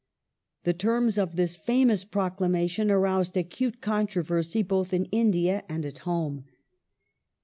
The terms of this famous proclamation aroused acute controversy both in India and at home.